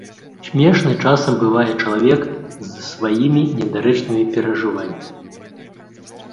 Смешны часам бывае чалавек з сваімі недарэчнымі перажываннямі.